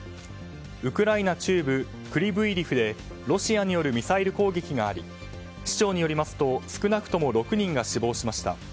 ウクライナ中部クリビーリフでロシアによるミサイル攻撃があり市長によりますと少なくとも６人が死亡しました。